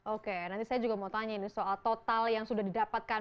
oke nanti saya juga mau tanya ini soal total yang sudah didapatkan